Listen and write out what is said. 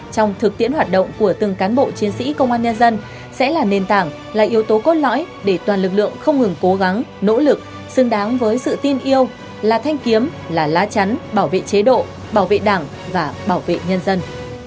trong thực tiễn hoạt động của từng cán bộ chiến sĩ công an nhân dân sẽ là nền tảng là yếu tố cốt lõi để toàn lực lượng không ngừng cố gắng nỗ lực xứng đáng với sự tin yêu là thanh kiếm là lá chắn bảo vệ chế độ bảo vệ đảng và bảo vệ nhân dân